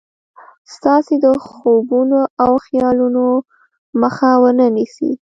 ستاسې د خوبونو او خيالونو مخه و نه نيسي.